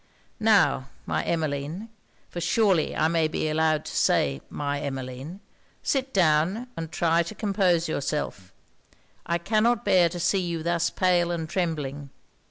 Now, my Emmeline, for surely I may be allowed to say my Emmeline, sit down and try to compose yourself. I cannot bear to see you thus pale and trembling.'